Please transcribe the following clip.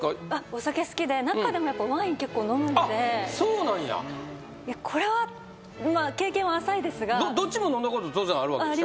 お酒好きで中でもやっぱあっそうなんやこれはまあ経験は浅いですがどっちも飲んだこと当然あるわけでしょ？